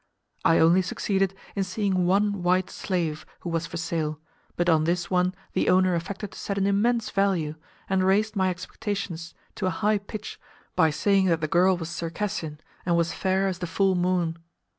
I only succeeded in seeing one white slave who was for sale but on this one the owner affected to set an immense value, and raised my expectations to a high pitch by saying that the girl was Circassian, and was "fair as the full moon."